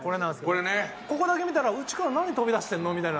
ここだけ見たら「内川何飛び出してんの？」みたいな。